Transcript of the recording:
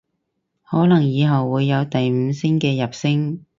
可能以後會有第五聲嘅入聲